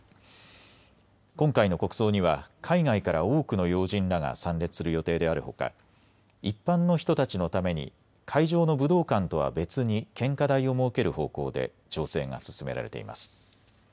今回の国葬には海外から多くの要人らが参列する予定であるほか、一般の人たちのために会場の武道館とは別に献花台を設ける方向で調整が進められています。